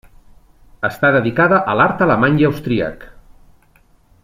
Està dedicada a l'art alemany i austríac.